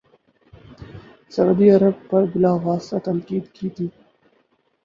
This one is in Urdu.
سعودی عرب پر بلا واسطہ تنقید کی تھی